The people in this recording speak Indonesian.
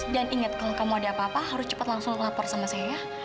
dan ingat kalau kamu ada apa apa harus cepat langsung lapor sama saya ya